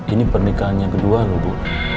ini pernikahannya kedua loh bu